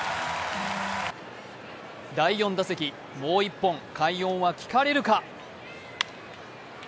第４打席、もう１本快音は聞かれるか。